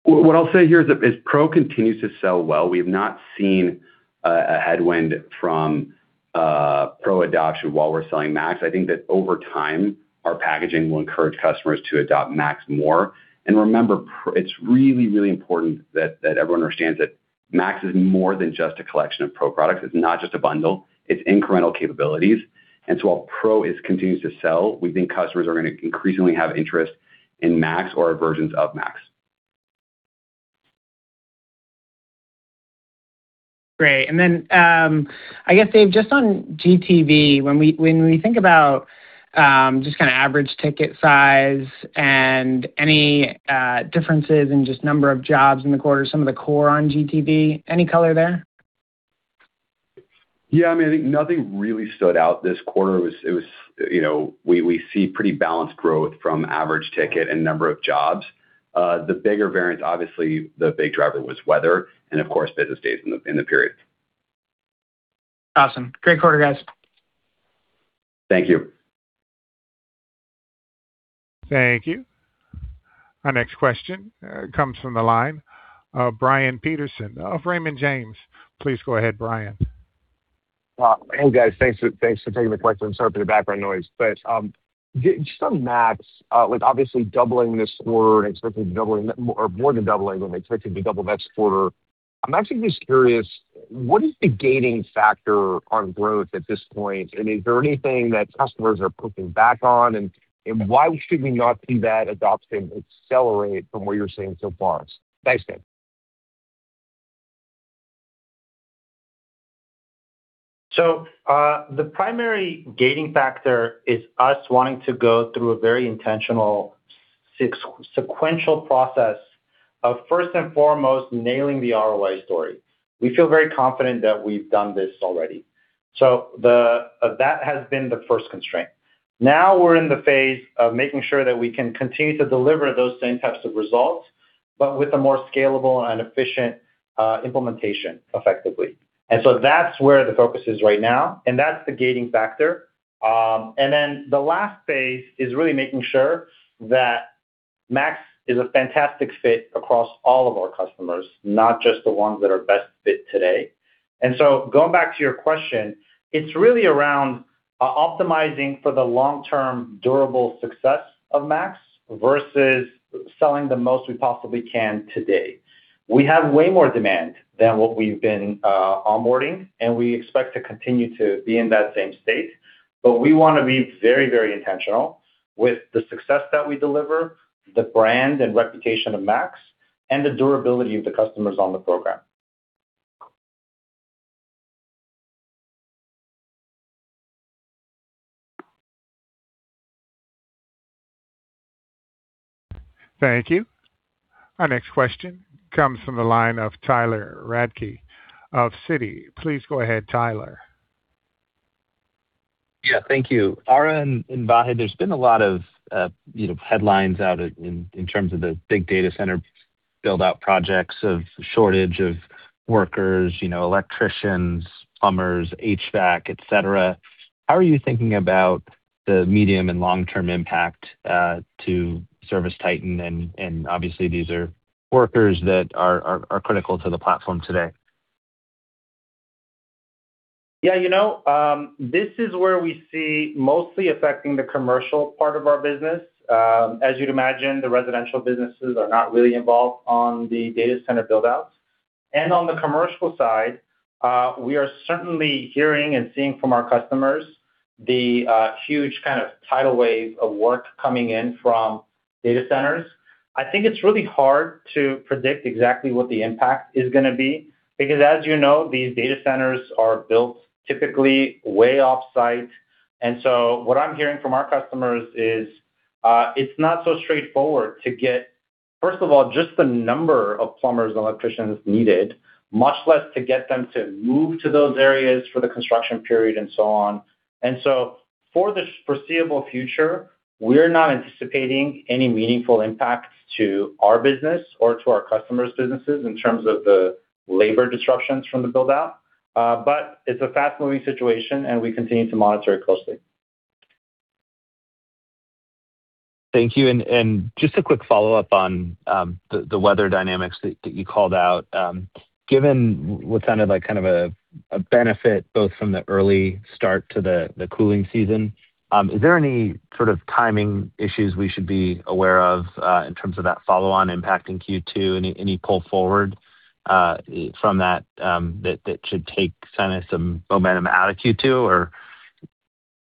What I'll say here is Pro continues to sell well. We've not seen a headwind from Pro adoption while we're selling Max. I think that over time, our packaging will encourage customers to adopt Max more. Remember, it's really, really important that everyone understands that Max is more than just a collection of Pro products. It's not just a bundle. It's incremental capabilities. While Pro continues to sell, we think customers are going to increasingly have interest in Max or versions of Max. Great. I guess, Dave, just on GTV, when we think about just kind of average ticket size and any differences in just number of jobs in the quarter, some of the core on GTV, any color there? I think nothing really stood out this quarter. We see pretty balanced growth from average ticket and number of jobs. The bigger variance, obviously, the big driver was weather and of course, business days in the period. Awesome. Great quarter, guys. Thank you. Thank you. Our next question comes from the line of Brian Peterson of Raymond James. Please go ahead, Brian. Hey, guys. Thanks for taking the question. Sorry for the background noise. Just on Max, obviously doubling this quarter and expecting to double, or more than doubling when they expected to double that quarter. I'm actually just curious, what is the gating factor on growth at this point? Is there anything that customers are pushing back on? Why should we not see that adoption accelerate from where you're seeing so far? Thanks, Dave. The primary gating factor is us wanting to go through a very intentional sequential process of first and foremost nailing the ROI story. We feel very confident that we've done this already. That has been the first constraint. Now we're in the phase of making sure that we can continue to deliver those same types of results, but with a more scalable and efficient implementation effectively. That's where the focus is right now, and that's the gating factor. The last phase is really making sure that Max is a fantastic fit across all of our customers, not just the ones that are best fit today. Going back to your question, it's really around optimizing for the long-term durable success of Max versus selling the most we possibly can today. We have way more demand than what we've been onboarding, we expect to continue to be in that same state. We want to be very, very intentional with the success that we deliver, the brand and reputation of Max, and the durability of the customers on the program. Thank you. Our next question comes from the line of Tyler Radke of Citi. Please go ahead, Tyler. Yeah, thank you. Ara and Vahe, there's been a lot of headlines out in terms of the big data center build-out projects of shortage of workers, electricians, plumbers, HVAC, et cetera. How are you thinking about the medium and long-term impact to ServiceTitan? Obviously these are workers that are critical to the platform today. Yeah. This is where we see mostly affecting the commercial part of our business. As you'd imagine, the residential businesses are not really involved on the data center build-outs. On the commercial side, we are certainly hearing and seeing from our customers the huge kind of tidal wave of work coming in from data centers. I think it's really hard to predict exactly what the impact is going to be, because as you know, these data centers are built typically way off-site. What I'm hearing from our customers is it's not so straightforward to get, first of all, just the number of plumbers and electricians needed, much less to get them to move to those areas for the construction period and so on. For the foreseeable future, we're not anticipating any meaningful impact to our business or to our customers' businesses in terms of the labor disruptions from the build-out. It's a fast-moving situation, and we continue to monitor it closely. Thank you. Just a quick follow-up on the weather dynamics that you called out. Given what sounded like kind of a benefit both from the early start to the cooling season, is there any sort of timing issues we should be aware of in terms of that follow-on impact in Q2? Any pull forward from that should take kind of some momentum out of Q2? Or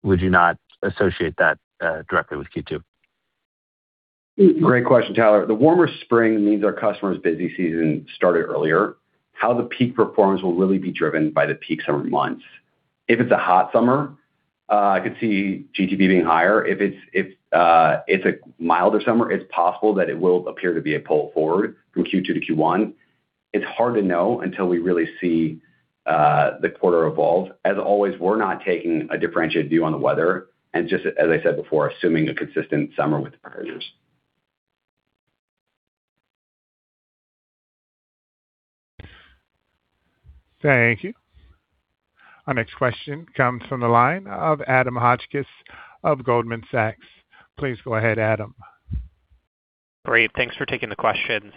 would you not associate that directly with Q2? Great question, Tyler. The warmer spring means our customers' busy season started earlier. How the peak performs will really be driven by the peak summer months. If it's a hot summer, I could see GTV being higher. If it's a milder summer, it's possible that it will appear to be a pull forward from Q2 to Q1. It's hard to know until we really see the quarter evolve. As always, we're not taking a differentiated view on the weather and just, as I said before, assuming a consistent summer with the prior years. Thank you. Our next question comes from the line of Adam Hotchkiss of Goldman Sachs. Please go ahead, Adam. Great. Thanks for taking the questions.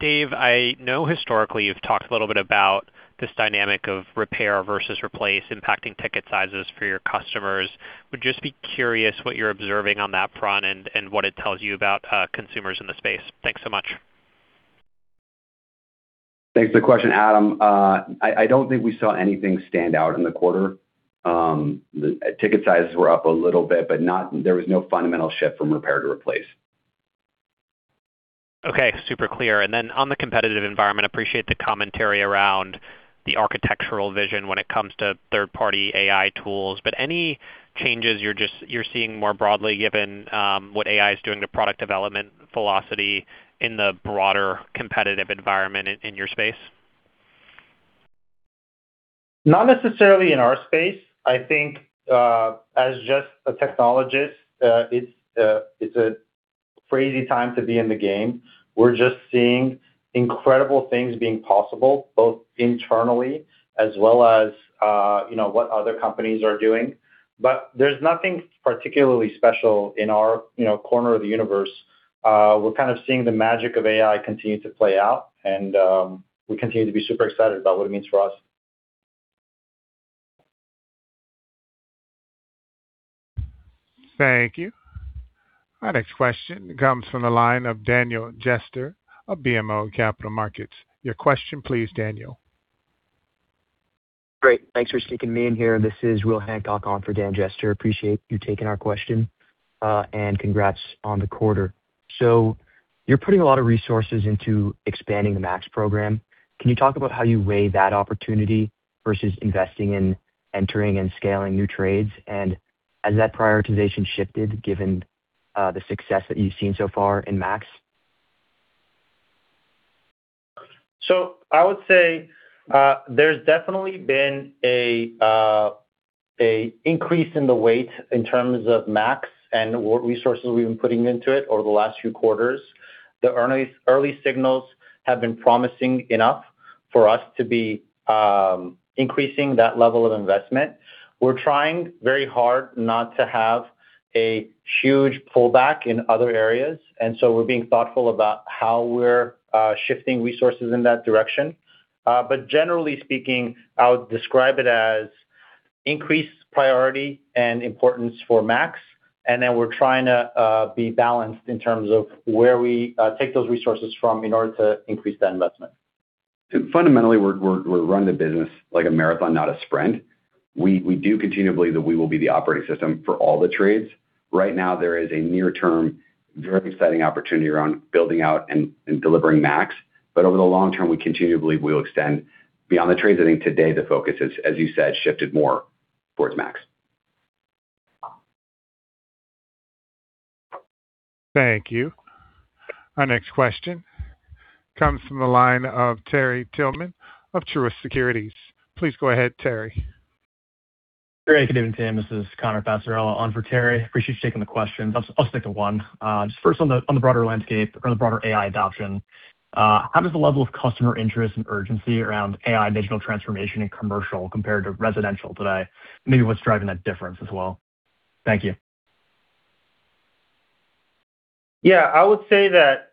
Dave, I know historically you've talked a little bit about this dynamic of repair versus replace impacting ticket sizes for your customers. Would just be curious what you're observing on that front and what it tells you about consumers in the space. Thanks so much. Thanks for the question, Adam. I don't think we saw anything stand out in the quarter. Ticket sizes were up a little bit, but there was no fundamental shift from repair to replace. Okay, super clear. On the competitive environment, appreciate the commentary around the architectural vision when it comes to third-party AI tools. Any changes you're seeing more broadly given what AI is doing to product development velocity in the broader competitive environment in your space? Not necessarily in our space. I think, as just a technologist, it's a crazy time to be in the game. We're just seeing incredible things being possible, both internally as well as what other companies are doing. There's nothing particularly special in our corner of the universe. We're kind of seeing the magic of AI continue to play out, and we continue to be super excited about what it means for us. Thank you. Our next question comes from the line of Daniel Jester of BMO Capital Markets. Your question, please, Daniel. Great. Thanks for sneaking me in here. This is Will Hancock on for Dan Jester. Appreciate you taking our question, and congrats on the quarter. You're putting a lot of resources into expanding the Max Program. Can you talk about how you weigh that opportunity versus investing in entering and scaling new trades? Has that prioritization shifted given the success that you've seen so far in Max? I would say there's definitely been an increase in the weight in terms of Max and what resources we've been putting into it over the last few quarters. The early signals have been promising enough for us to be increasing that level of investment. We're trying very hard not to have a huge pullback in other areas, and so we're being thoughtful about how we're shifting resources in that direction. Generally speaking, I would describe it as increased priority and importance for Max, and then we're trying to be balanced in terms of where we take those resources from in order to increase that investment. Fundamentally, we're running the business like a marathon, not a sprint. We do continually believe that we will be the operating system for all the trades. Right now, there is a near-term, very exciting opportunity around building out and delivering Max. Over the long term, we continually believe we'll extend beyond the trades. I think today the focus has, as you said, shifted more towards Max. Thank you. Our next question comes from the line of Terry Tillman of Truist Securities. Please go ahead, Terry. Terry, good evening, team. This is Connor Passarella on for Terry. Appreciate you taking the questions. I'll stick to one. Just first on the broader landscape, on the broader AI adoption, how does the level of customer interest and urgency around AI digital transformation in commercial compare to residential today? Maybe what's driving that difference as well. Thank you. I would say that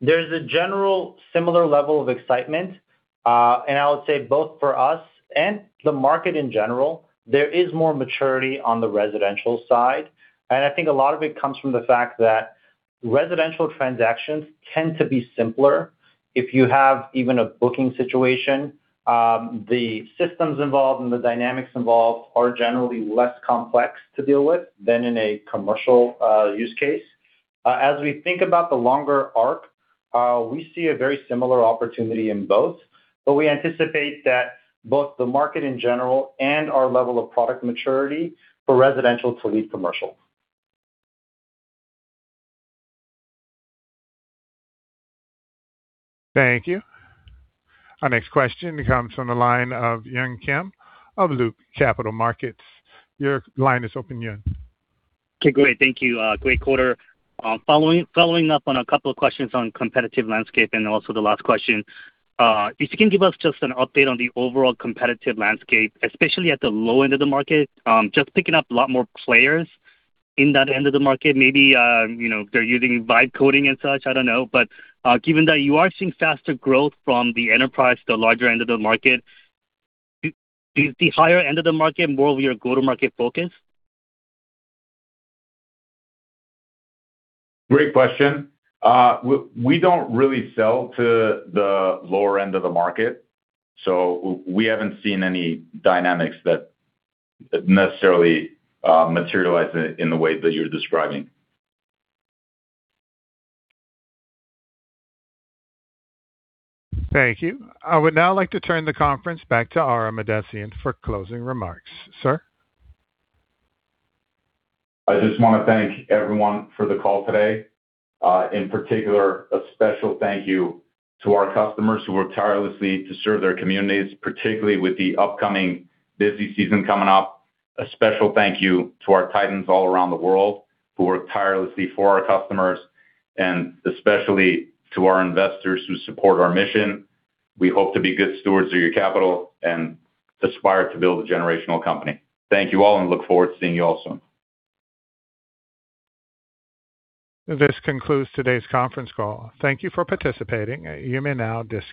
there's a general similar level of excitement, and I would say both for us and the market in general, there is more maturity on the residential side. I think a lot of it comes from the fact that residential transactions tend to be simpler. If you have even a booking situation, the systems involved and the dynamics involved are generally less complex to deal with than in a commercial use case. As we think about the longer arc, we see a very similar opportunity in both, but we anticipate that both the market in general and our level of product maturity for residential to lead commercial. Thank you. Our next question comes from the line of Yun Kim of Loop Capital Markets. Your line is open, Yun. Okay, great. Thank you. Great quarter. Following up on a couple of questions on competitive landscape and also the last question, if you can give us just an update on the overall competitive landscape, especially at the low end of the market. Picking up a lot more players in that end of the market. Maybe they're using vibe coding and such, I don't know. Given that you are seeing faster growth from the enterprise, the larger end of the market, is the higher end of the market more of your go-to-market focus? Great question. We don't really sell to the lower end of the market, so we haven't seen any dynamics that necessarily materialize in the way that you're describing. Thank you. I would now like to turn the conference back to Ara Mahdessian for closing remarks. Sir. I just want to thank everyone for the call today. In particular, a special thank you to our customers who work tirelessly to serve their communities, particularly with the upcoming busy season coming up. A special thank you to our Titans all around the world who work tirelessly for our customers, and especially to our investors who support our mission. We hope to be good stewards of your capital and aspire to build a generational company. Thank you all, and look forward to seeing you all soon. This concludes today's conference call. Thank you for participating. You may now disconnect.